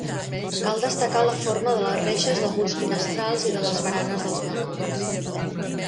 Cal destacar la forma de les reixes d'alguns finestrals i de les baranes dels balcons.